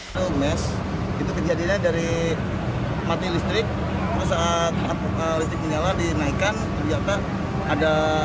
hai mes itu kejadiannya dari mati listrik saat api listrik menyala dinaikkan kejapak ada